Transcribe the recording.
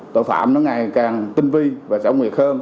tội phạm ngày càng tinh vi và trọng nguyệt hơn